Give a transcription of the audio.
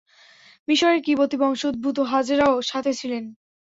মিসরের কিবতী বংশোদ্ভূত হাজেরাও সাথে ছিলেন।